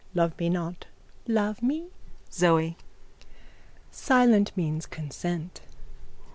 Love me not. Love me. ZOE: Silent means consent.